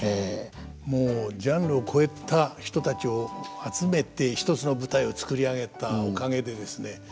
もうジャンルを超えた人たちを集めて一つの舞台を作り上げたおかげでですね